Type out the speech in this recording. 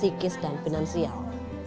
dan juga kekerasan finansial